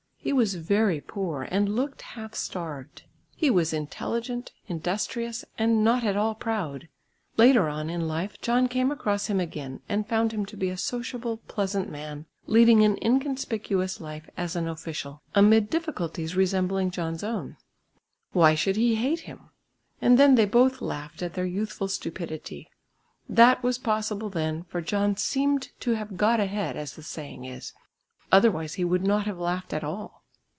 He was very poor and looked half starved. He was intelligent, industrious, and not at all proud. Later on in life John came across him again and found him to be a sociable, pleasant man, leading an inconspicuous life as an official, amid difficulties resembling John's own. Why should he hate him? And then they both laughed at their youthful stupidity. That was possible then, for John seemed to have "got ahead" as the saying is; otherwise he would not have laughed at all.